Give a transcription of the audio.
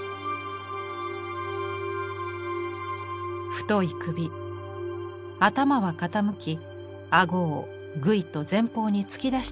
太い首頭は傾きあごをぐいと前方に突き出しています。